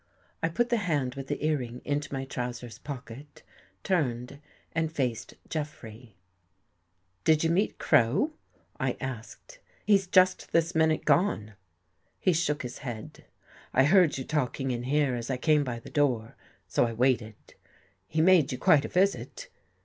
I put the hand with the earring Into my trousers pocket, turned and faced Jeffrey. " Did you meet Crow? '' I asked. " He's just this minute gone." He shook his head. " I heard you talking in here as I came by the door, so I waited. He made you quite a visit.